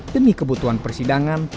demi kebutuhan persidangan